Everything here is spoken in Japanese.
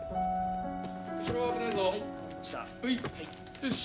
よし！